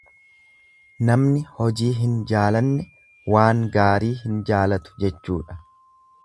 Namni hojii hin jaalanne waan gaarii hin jaalatu jechuudha.